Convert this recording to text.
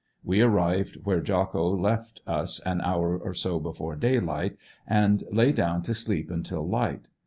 We arrived where Jocko left us an hour or so before daylight, and lay down to sleep until light.